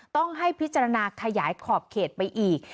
ต้องให้พิจารณาขยายขอบเขตไปอีก